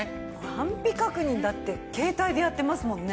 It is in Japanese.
安否確認だって携帯でやってますもんね。